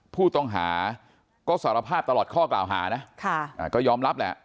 ผู้ต้องหาก็สารภาพตลอดข้อกล่าวหานะก็ยอมรับแหละ